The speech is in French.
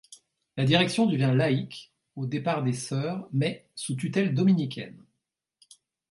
La direction devient laïque au départ des sœurs, mais sous tutelle dominicaine.